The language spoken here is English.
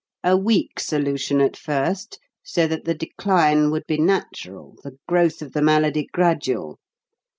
A weak solution at first, so that the decline would be natural, the growth of the malady gradual.